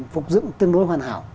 phục dựng tương đối hoàn hảo